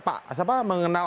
justru sangat mengenal